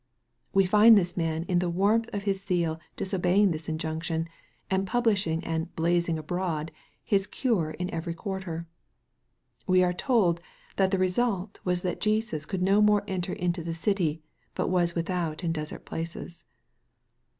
We find this man in the warmth of his zeal disobeying this injunction, and publishing and "blazing abroad" his cure in every quarter. And we are told that the re sult was that Jesus " could no more enter into the city, but was without in desert places."